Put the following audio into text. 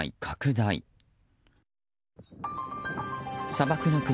砂漠の国